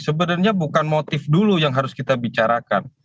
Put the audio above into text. sebenarnya bukan motif dulu yang harus kita bicarakan